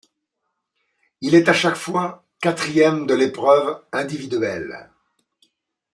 Il est à chaque fois quatrième de l'épreuve individuelle.